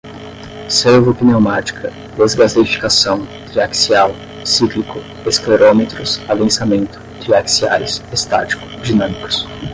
servo-pneumática, desgaseificação, triaxial, cíclico, esclerômetros, adensamento, triaxiais, estático, dinâmicos